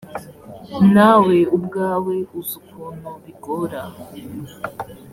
nawe ubwawe uzi ukuntu bigora